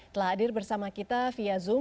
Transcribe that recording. telah hadir bersama kita via zoom